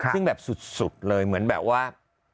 ซึ่งแบบสุดเลยเหมือนแบบว่า